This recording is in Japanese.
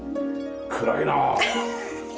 暗いなあ。